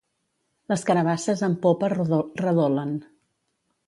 Les carabasses en popa redolen.